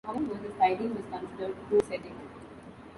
However, the styling was considered too sedate.